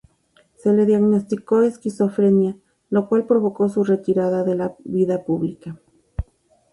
Se le diagnosticó esquizofrenia, lo cual provocó su retirada de la vida pública.